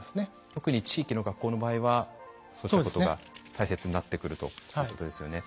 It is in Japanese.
特に地域の学校の場合はそうしたことが大切になってくるということですよね。